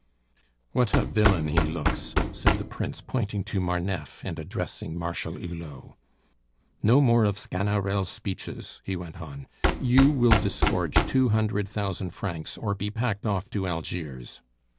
"What a villain he looks!" said the Prince, pointing to Marneffe and addressing Marshal Hulot. "No more of Sganarelle speeches," he went on; "you will disgorge two hundred thousand francs, or be packed off to Algiers."